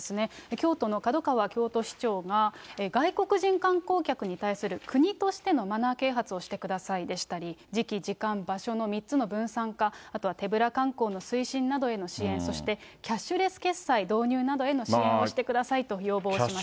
京都の門川京都市長が、外国人観光客に対する国としてのマナー啓発をしてくださいでしたり、時期、時間、場所の３つの分散化、あとは手ぶら観光の推進などへの支援、そしてキャッシュレス決済導入などへの支援をしてくださいと要望しました。